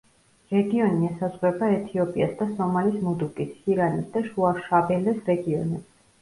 რეგიონი ესაზღვრება ეთიოპიას და სომალის მუდუგის, ჰირანის და შუა შაბელეს რეგიონებს.